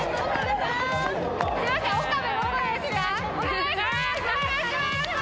お願いします！